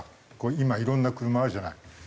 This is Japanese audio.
今いろんな車あるじゃない。